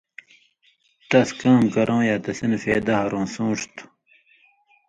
تس کام کرؤں یا تسی نہ فَیدہ ہرؤں سُون٘ݜ تھُو۔